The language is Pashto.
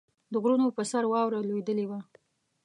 د غرونو پر سر واوره لوېدلې وه.